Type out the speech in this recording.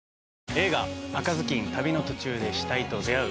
映画『赤ずきん、旅の途中で死体と出会う。』。